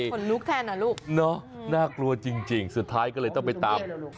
คนลุกแทนอ่ะลูกเนอะน่ากลัวจริงสุดท้ายก็เลยต้องไปตาม